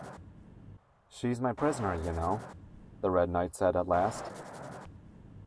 ‘She’s my prisoner, you know!’ the Red Knight said at last.